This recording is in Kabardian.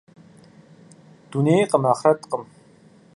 Дунейкъым, ахърэткъым.